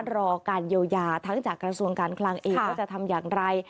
รอการเยียวยาทั้งจากกระทรวงการคลังเองว่าจะทำอย่างไร